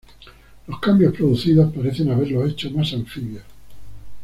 Los cambios producidos parecen haberlos hecho más anfibios.